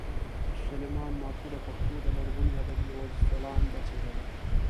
سلیمان ماکو د پښتو د لرغوني ادب یوه خلانده څېره ده